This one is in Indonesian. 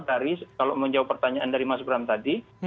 kalau menjawab pertanyaan dari mas ibram tadi